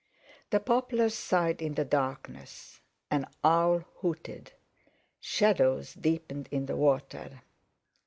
The poplars sighed in the darkness; an owl hooted. Shadows deepened in the water.